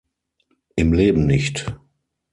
Im Leben nicht!